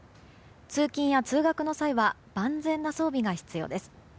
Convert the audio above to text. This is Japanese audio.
通勤や通学の際は万全な装備が必要です。